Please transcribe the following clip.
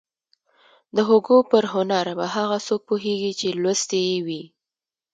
د هوګو پر هنر به هغه څوک پوهېږي چې لوستی يې وي.